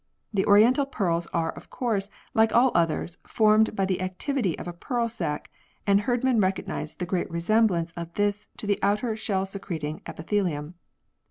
The oriental pearls are of course like all others formed by the activity of a pearl sac, and Herdman recognised the great resemblance of this to the outer shell secreting epithelium.